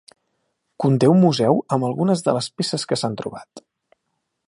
Conté un museu amb algunes de les peces que s'han trobat.